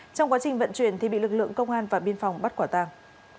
trong quá trình vận chuyển bị lực lượng công an và biên phòng bắt quả tăng